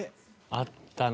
あったな